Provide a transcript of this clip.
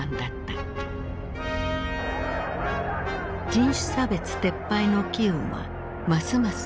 人種差別撤廃の機運はますます高まった。